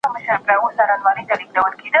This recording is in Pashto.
فشار د بدلون اړتیا ښيي.